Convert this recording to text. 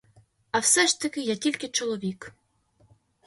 А все ж таки я тільки чоловік.